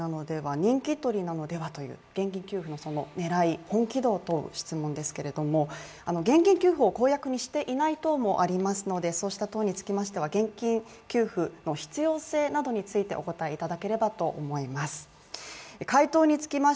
人気取りなのでは？という現金給付の狙い、本気度を問う質問ですが現金給付を公約にしていない党もありますので、そうした党については現金給付の必要性などについてお答えいただければと思います。